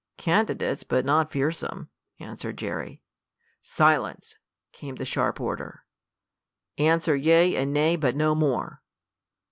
"Candidates, but not fearsome," answered Jerry. "Silence!" came the sharp order. "Answer yea and nay, but no more."